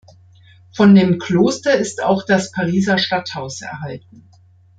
Von dem Kloster ist auch das Pariser Stadthaus erhalten.